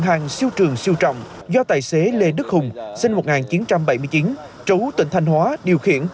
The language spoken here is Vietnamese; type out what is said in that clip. của một siêu trường siêu trọng do tài xế lê đức hùng sinh một nghìn chín trăm bảy mươi chín trấu tỉnh thanh hóa điều khiển